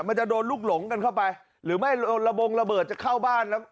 มันจะโดนลูกหลงกันเข้าไปหรือไม่ระบงระเบิดจะเข้าบ้านแล้ว